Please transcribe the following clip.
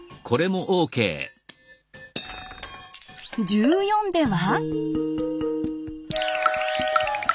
１４では。